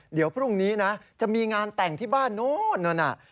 เดี๋ยวพรุ่งนี้นะจะมีงานแต่งที่บ้านนู้น